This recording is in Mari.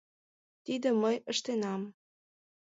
Тидым мый ыштенам.